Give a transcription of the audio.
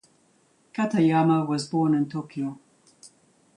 Katayama was born in Tokyo.